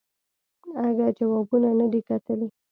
اگه جوابونه ندي کتلي.